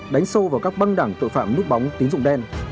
đánh sâu vào các băng đảng tội phạm nút bóng tín dụng đen